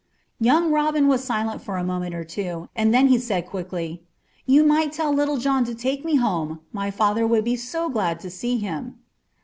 Young Robin was silent for a moment or two, and then he said quickly: "You might tell Little John to take me home. My father would be so glad to see him."